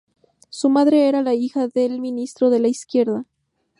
Su madre era la hija del Ministro de la Izquierda.